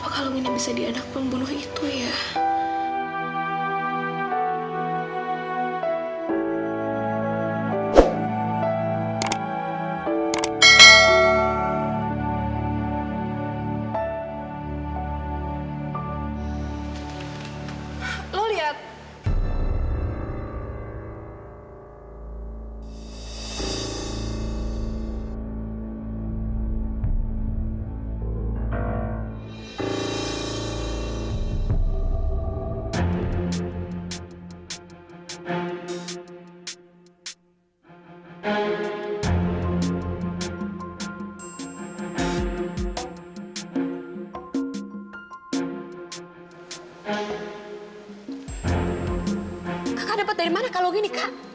kalung ini seperti